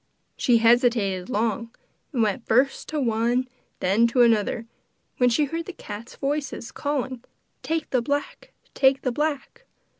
She hesitated long, and went first to one and then to another, when she heard the cats' voices calling: 'Take the black! take the black!